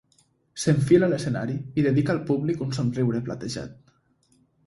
S'enfila a l'escenari i dedica al públic un somriure platejat.